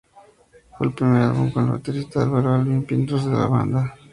Fue el primer álbum con el baterista Álvaro "Alvin" Pintos en la banda.